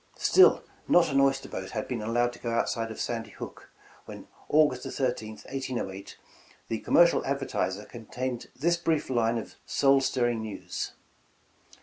Still ''not an oyster boat had been allowed to go out side of Sandy Hook" when August 13th, 1808, the "Commercial Advertiser" contained this brief line of soul stirring news.